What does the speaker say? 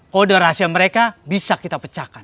kode rahasia mereka bisa kita pecahkan